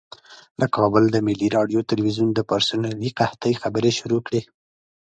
د کابل د ملي راډیو تلویزیون د پرسونلي قحطۍ خبرې شروع کړې.